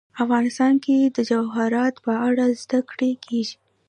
افغانستان کې د جواهرات په اړه زده کړه کېږي.